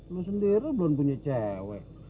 lo sendiri belum punya cewek